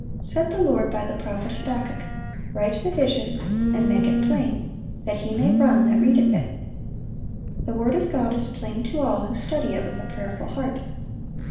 Said the Lord by the prophet Habakkuk, "Write the vision, and make it plain, ... that he may run that readeth it."(917) The word of God is plain to all who study it with a prayerful heart.